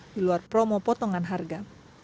di luar promo potongan harga